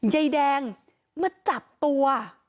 ยายแดงมาจับตัว